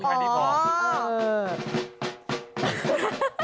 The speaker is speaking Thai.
เออ